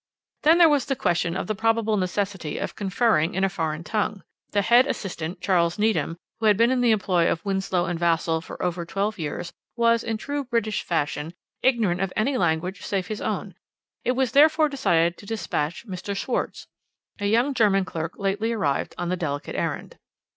"Then there was the question of the probable necessity of conferring in a foreign tongue. The head assistant, Charles Needham, who had been in the employ of Winslow and Vassall for over twelve years, was, in true British fashion, ignorant of any language save his own; it was therefore decided to dispatch Mr. Schwarz, a young German clerk lately arrived, on the delicate errand.